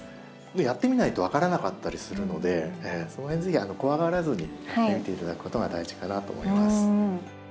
やってみないと分からなかったりするのでその辺ぜひ怖がらずにやってみていただくことが大事かなと思います。